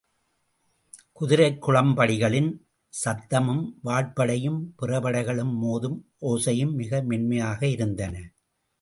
குதிரைக் குளம்படிகளின் சத்தமும், வாட்படையும், பிற படைகளும் மோதும் ஓசையும் மிக மென்மையாக இருந்தன.